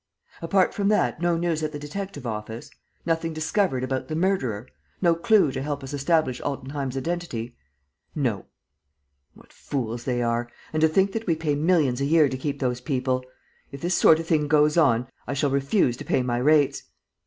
"Apart from that, no news at the detective office? Nothing discovered about the murderer? No clue to help us to establish Altenheim's identity?" "No." "What fools they are! And to think that we pay millions a year to keep those people. If this sort of thing goes on, I shall refuse to pay my rates.